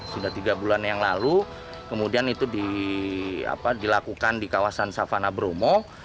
sudah tiga bulan yang lalu kemudian itu dilakukan di kawasan savana bromo